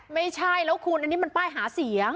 ไม่ใช่แล้วคุณอันนี้มันป้ายหาเสียง